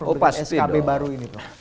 oh pasti dong